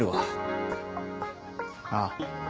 ああ。